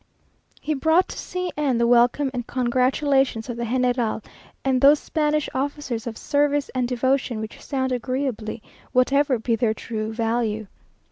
He brought to C n the welcome and congratulations of the General, and those Spanish offers of service and devotion which sound agreeably, whatever be their true value.